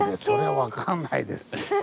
そりゃ分かんないですよ